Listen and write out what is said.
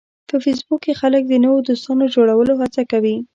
په فېسبوک کې خلک د نوو دوستانو جوړولو هڅه کوي